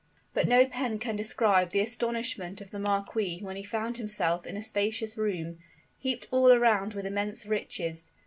But no pen can describe the astonishment of the marquis when he found himself in a spacious room, heaped all around with immense riches.